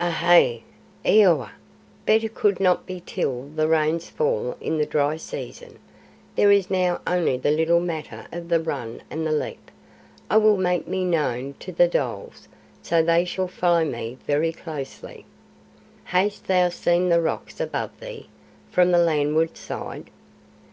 "Ahai! Eowawa! Better could not be till the Rains fall in the dry season. There is now only the little matter of the run and the leap. I will make me known to the dholes, so that they shall follow me very closely." "Hast thou seen the rocks above thee? From the landward side?"